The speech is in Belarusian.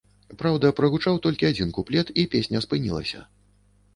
Праўда, прагучаў толькі адзін куплет, і песня спынілася.